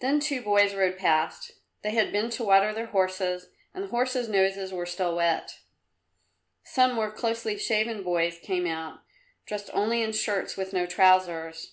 Then two boys rode past. They had been to water their horses and the horses' noses were still wet. Some more closely shaven boys came out, dressed only in shirts with no trousers.